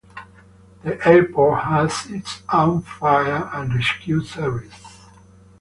The airport has its own fire and rescue service.